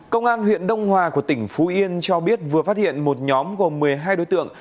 công an huyện đông hòa của tỉnh phú yên cho biết vừa phát hiện một nhóm gồm một mươi hai đối tượng